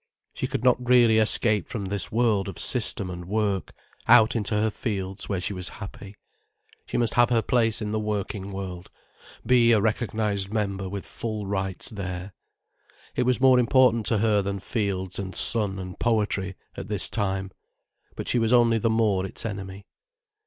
She could not really escape from this world of system and work, out into her fields where she was happy. She must have her place in the working world, be a recognized member with full rights there. It was more important to her than fields and sun and poetry, at this time. But she was only the more its enemy.